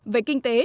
về kinh tế